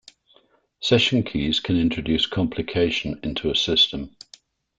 Session keys can introduce complication into a system.